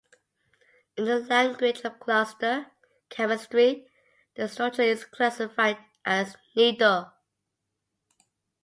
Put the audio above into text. In the language of cluster chemistry, the structure is classified as "nido".